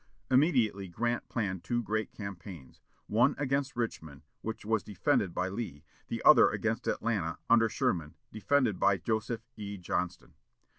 Immediately Grant planned two great campaigns: one against Richmond, which was defended by Lee; the other against Atlanta, under Sherman, defended by Joseph E. Johnston.